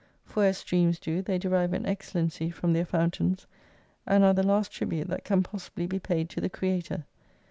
For as streams do, they derive an excellency from their fountains, and are the last tribute that can possibly be paid to the Creator.